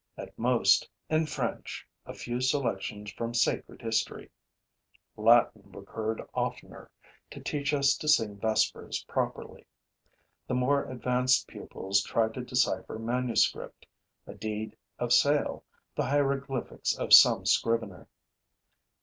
At most, in French, a few selections from sacred history. Latin recurred oftener, to teach us to sing vespers properly. The more advanced pupils tried to decipher manuscript, a deed of sale, the hieroglyphics of some scrivener.